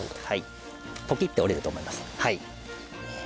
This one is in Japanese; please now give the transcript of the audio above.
ポキッて折れると思います。